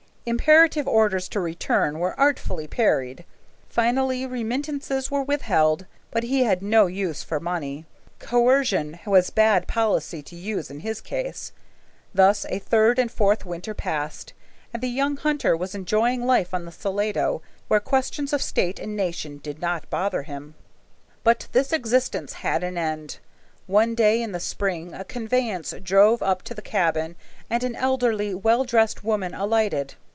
Imperative orders to return were artfully parried. Finally remittances were withheld, but he had no use for money. Coercion was bad policy to use in his case. Thus a third and a fourth winter passed, and the young hunter was enjoying life on the Salado, where questions of state and nation did not bother him. But this existence had an end. One day in the spring a conveyance drove up to the cabin, and an elderly, well dressed woman alighted.